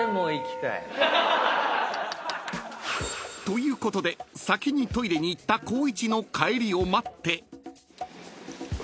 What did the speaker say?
［ということで先にトイレに行った光一の帰りを待って］